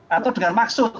atau dengan maksud